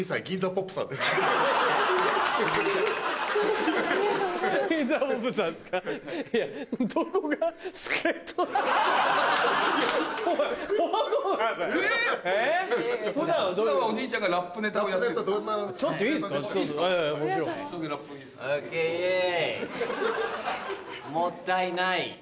ＯＫ。もったいない